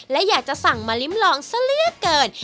และอยากจะสั่งมาลิ้มลองซะเหลือเกิน